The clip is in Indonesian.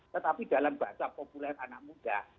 tetapi dalam bahasa populer anak muda